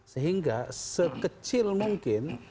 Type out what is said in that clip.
sehingga sekecil mungkin